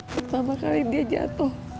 pertama kali dia jatuh